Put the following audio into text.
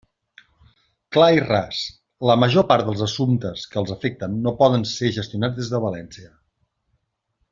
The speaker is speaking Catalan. Clar i ras: la major part dels assumptes que els afecten no poden ser gestionats des de València.